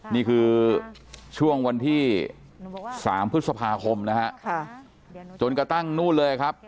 นี่คือช่วงวันที่๓พฤษภาคมนะฮะจนกระทั่งนู่นเลยครับ